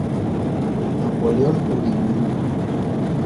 Napoleón Uriburu.